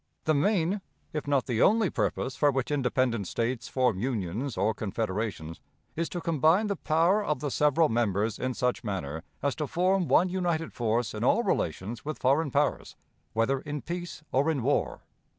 "The main, if not the only, purpose for which independent states form unions, or confederations, is to combine the power of the several members in such manner as to form one united force in all relations with foreign powers, whether in peace or in war.